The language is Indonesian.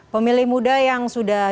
pemilih muda yang sudah